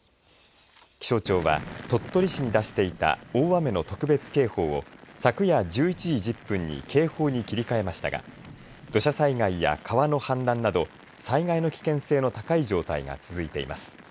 気象庁は鳥取市に出していた大雨の特別警報を昨夜１１時１０分に警報に切り替えましたが土砂災害や川の氾濫など災害の危険性が高い状態が続いています。